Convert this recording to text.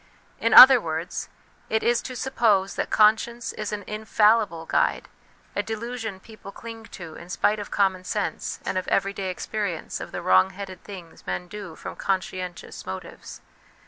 In other words, it is to suppose that conscience is an infallible guide, a delusion people cling to in spite of common sense and of everyday experience of the wrong headed things men do from conscientious motives.